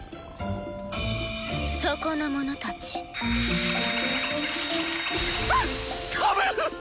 そこの者たち。は⁉さぶっ⁉